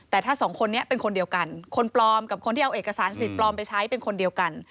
แต่ถ้าสองคนนี้เป็นคนเดียวกันคนปลอมกับคนที่เอาเอกสารสิทธิ์ปลอมไปใช้เป็นคนเดียวกัน